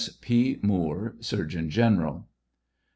S. P. MOOKE, Surgeon General.